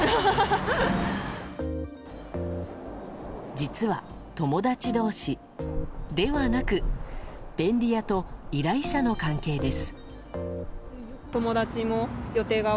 実は、友達同士ではなく便利屋と依頼者の関係です。